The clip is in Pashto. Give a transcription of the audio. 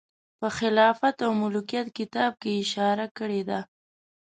په خلافت او ملوکیت کتاب کې یې اشاره کړې ده.